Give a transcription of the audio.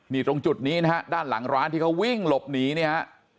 นี่ตรงจุดนี้นะฮะด้านหลังร้านที่เขาวิ่งหลบหนีเนี่ยฮะ